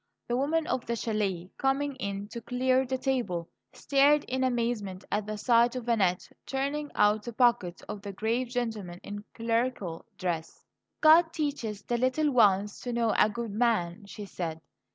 The woman of the chalet, coming in to clear the table, stared in amazement at the sight of Annette turning out the pockets of the grave gentleman in clerical dress. "God teaches the little ones to know a good man," she said.